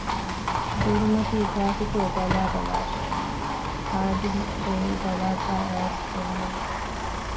ދޮރުމަތީކާކުތޯ ބަލައިބަލާށެވެ! ޚާދިމު ބޭރުބަލައިލައިފައި އައިސް ދެންނެވި